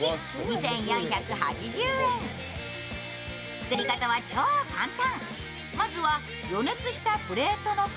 作り方は超簡単。